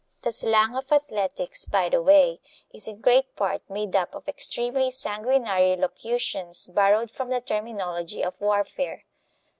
The slang of athletics, by the way, is in great part made up of extremely sanguinary locutions borrowed from the terminology of warfare.